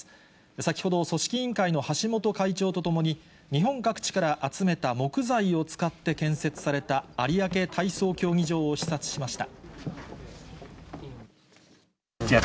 先ほど、組織委員会の橋本会長と共に、日本各地から集めた木材を使って建設された有明体操競技場を視察しました。